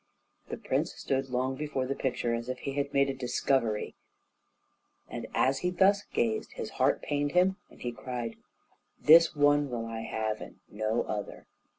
The prince stood long before the picture, as if he had made a discovery, and as he thus gazed, his heart pained him, and he cried, "This one will I have, and no other."